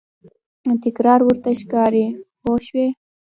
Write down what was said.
تکرار ورته ښکاري پوه شوې!.